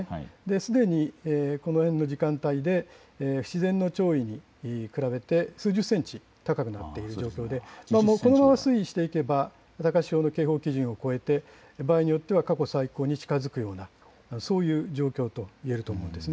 すでに、この辺の時間帯で自然の潮位に比べて数十センチ高くなっている状況でこのまま推移していけば高潮の警報基準を超えて場合によっては過去最高に近づくような状況と言えると思います。